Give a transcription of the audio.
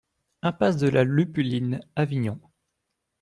Impasse de la Lupuline, Avignon